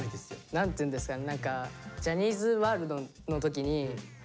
何っていうんですかね